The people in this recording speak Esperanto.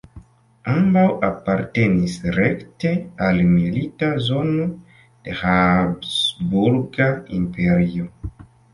Ambaŭ apartenis rekte al milita zono de Habsburga Imperio.